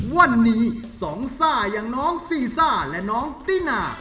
วันนี้สองซ่าอย่างน้องซีซ่าและน้องตินา